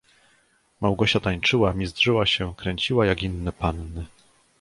"Małgosia tańczyła, mizdrzyła się, kręciła, jak inne panny."